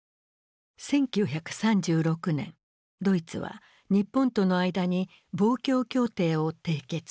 １９３６年ドイツは日本との間に防共協定を締結する。